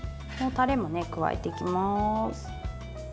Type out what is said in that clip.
タレも加えていきます。